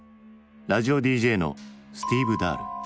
ラジオＤＪのスティーブ・ダール。